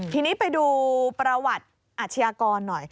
ทีนี้ไปดูประวัติอาชญากรหน่อย